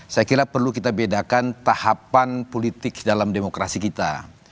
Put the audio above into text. saya kira perlu kita bedakan tahapan politik dalam demokrasi kita